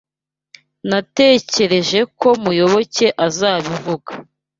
Natekereje ko Muyoboke azabivuga.